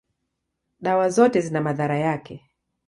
dawa zote zina madhara yake.